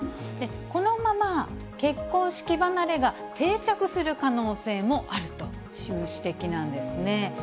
このまま結婚式離れが定着する可能性もあるという指摘なんですね。